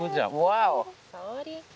ワオ！